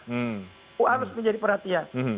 itu harus menjadi perhatian